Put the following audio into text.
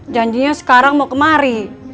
janjinya sekarang mau kemari